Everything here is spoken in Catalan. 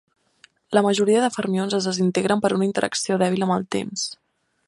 La majoria de fermions es desintegren per una interacció dèbil amb el temps.